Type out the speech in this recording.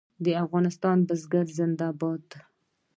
د افغانستان بزګران زنده باد.